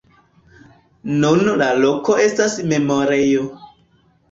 Nun la loko estas memorejo.